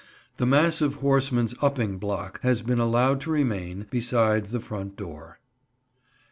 The massive horseman's "upping block" has been allowed to remain, beside the front door.